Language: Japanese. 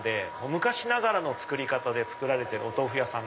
昔ながらの作り方で作られてるお豆腐屋さんで。